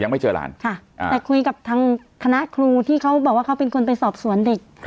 ไม่แต่คุยกับทางคณะครูที่เขาบอกว่าเขาเป็นคนไปสอบสวนเด็ก